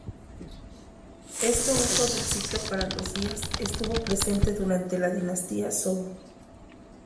Este uso del ciclo para los días estuvo presente durante la dinastía Zhou.